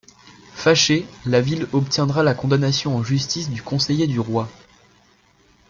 Fâchée, la Ville obtiendra la condamnation en justice du conseiller du roi.